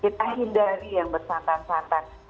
kita hindari yang bersantan santan